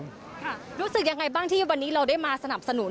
รู้สึกยังไงบ้างที่วันนี้เราได้มาสนับสนุน